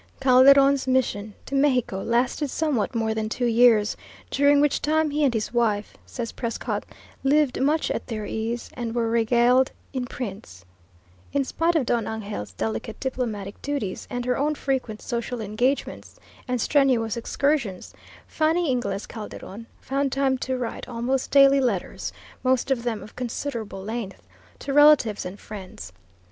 Calderon's mission to Mexico lasted somewhat more than two years, during which time he and his wife, says Prescott, "lived much at their ease," and "were regaled en prince." In spite of Don Angel's delicate diplomatic duties and her own frequent social engagements and strenuous excursions, Fanny Inglis Calderon found time to write almost daily letters, most of them of considerable length, to relatives and friends.